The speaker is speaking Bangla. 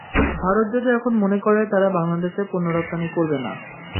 ভারত যদি এখন মনে করে তারা বাংলাদেশে পণ্য রপ্তানি করবে না।